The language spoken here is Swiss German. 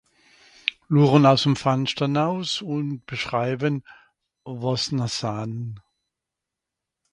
luche-n-r zùm Fanschter naus ùn beschreiben, wàs-n-r sahn.